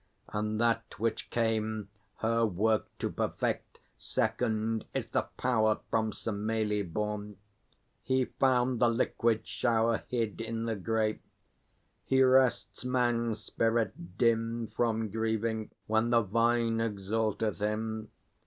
And that which came Her work to perfect, second, is the Power From Semelê born. He found the liquid shower Hid in the grape. He rests man's spirit dim From grieving, when the vine exalteth him.